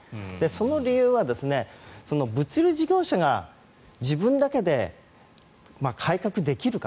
その理由は物流事業者が自分だけで改革できるか。